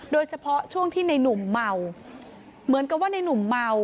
โดยเฉพาะช่วงที่ในหนุ่มเมาเหมือนกับว่าในหนุ่มเมา